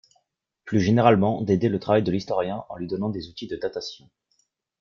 Plus généralement d'aider le travail de l'historien en lui donnant des outils de datation.